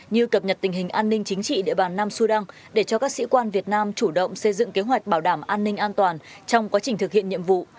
như cập nhật tình hình an ninh chính trị địa bàn nam sudan để cho các sĩ quan việt nam chủ động xây dựng kế hoạch bảo đảm an ninh an toàn trong quá trình thực hiện nhiệm vụ